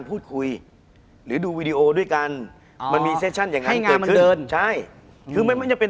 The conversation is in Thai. คุณผู้ชมบางท่าอาจจะไม่เข้าใจที่พิเตียร์สาร